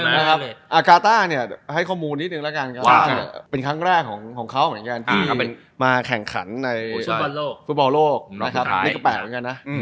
อเจมส์กาต้าเนี่ยให้ข้อมูลนิดนึงละกันครับเป็นครั้งแรกของเค้าเหมือนกันที่มาแข่งขันในภูมิประบาทโลกนิกอปแปดเหมือนกันนะ